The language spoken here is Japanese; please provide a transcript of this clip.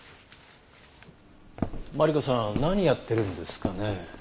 マリコさん何やってるんですかね？